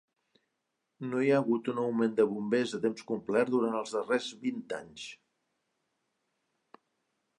No hi ha hagut un augment de bombers a temps complet durant els darrers vint anys.